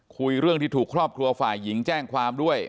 คุยเรื่องที่ถูกครอบครัวฝ่ายหญิงแจ้งความด้วย